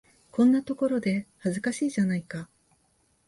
こんなところで、恥ずかしいじゃないか。